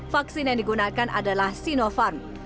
vaksin yang digunakan adalah sinopharm